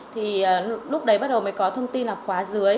thì lúc đấy bắt đầu mới có thông tin là quá dường